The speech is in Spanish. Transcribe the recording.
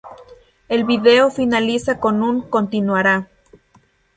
El vídeo finaliza con un "Continuará".